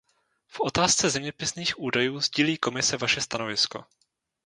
V otázce zeměpisných údajů sdílí Komise vaše stanovisko.